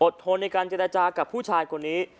อดทนการจนละจากกับผู้ชายคนนี้